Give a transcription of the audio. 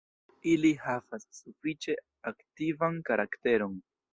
Ili havas sufiĉe antikvan karakteron.